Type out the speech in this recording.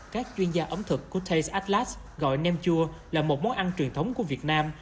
các chuyên gia ẩm thực của tax atlas gọi nem chua là một món ăn truyền thống của việt nam